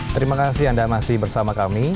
terima kasih anda masih bersama kami